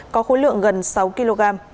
có khối lượng gần sáu kg